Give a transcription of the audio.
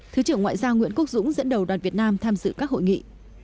thứ trưởng ngoại giao nguyễn quốc dũng dẫn đầu đoàn việt nam tham dự các hội nghị